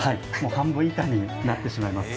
半分以下になってしまいます。